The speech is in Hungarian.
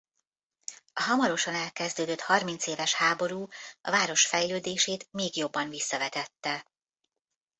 A hamarosan elkezdődött harmincéves háború a város fejlődését még jobban visszavetette.